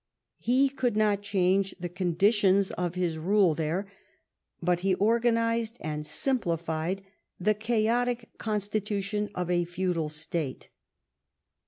He could not change the conditions of his rule there, but he organised and simplified the chaotic constitution of a feudal state.